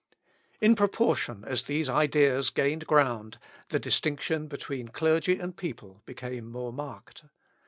In proportion as these ideas gained ground, the distinction between clergy and people became more marked.